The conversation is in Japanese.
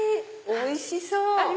おいしそう！